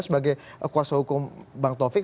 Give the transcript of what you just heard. sebagai kuasa hukum bang taufik